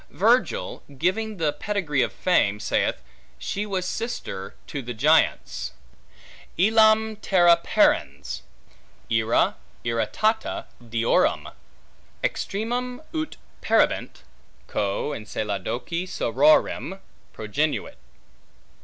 Virgil, giving the pedigree of Fame, saith, she was sister to the Giants: Illam Terra parens, irra irritata deorum, Extremam (ut perhibent) Coeo Enceladoque sororem Progenuit.